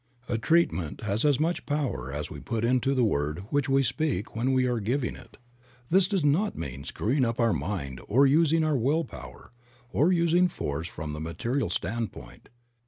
A TREATMENT has as much power as we put into the word which we speak when we are giving it. This does not mean screwing up our mind or using our will power, or using force from the material standpoint.